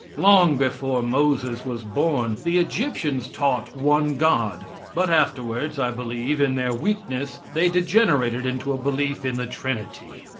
Long before Moses was born the Egyptians taught one God; but afterwards, I believe, in their weakness, they degenerated into a belief in the Trinity.